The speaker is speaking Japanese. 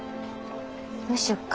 どうしようか？